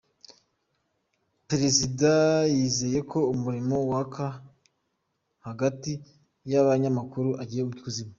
Perezida yizeye ko umuriro waka hagati y’abanyamakuru ugiye kuzima